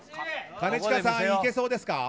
兼近さん、行けそうですか？